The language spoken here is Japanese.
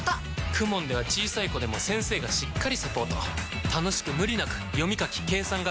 ＫＵＭＯＮ では小さい子でも先生がしっかりサポート楽しく無理なく読み書き計算が身につきます！